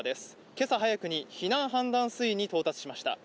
今朝早くに避難判断水位に到達しました。